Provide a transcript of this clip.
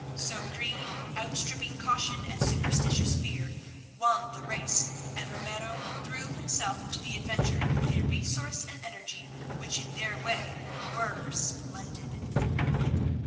So greed, outstripping caution and superstitious fear, won the race, and Ramiro threw himself into the adventure with a resource and energy which in their way were splendid.